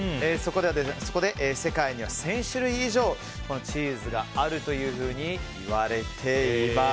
そこで世界には１０００種類以上チーズがあるというふうにいわれています。